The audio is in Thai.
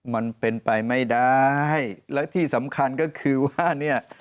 มันเป็นไปไม่ได้และที่สำคัญก็คือว่าเนี่ย